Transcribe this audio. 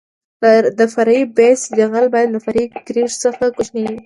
د فرعي بیس جغل باید له فرعي ګریډ څخه کوچنی وي